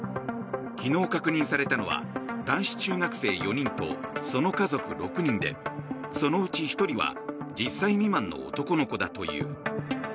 昨日確認されたのは男子中学生４人とその家族６人でそのうち１人は１０歳未満の男の子だという。